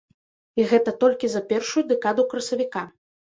І гэта толькі за першую дэкаду красавіка.